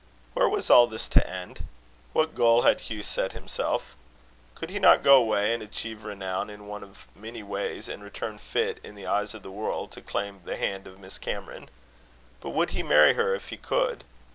Where was all this to end? What goal had Hugh set himself? Could he not go away, and achieve renown in one of many ways, and return fit, in the eyes of the world, to claim the hand of Miss Cameron? But would he marry her if he could?